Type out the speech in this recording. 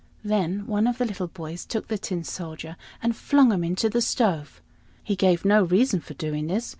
Then one of the little boys took the Tin Soldier and flung him into the stove. He gave no reason for doing this.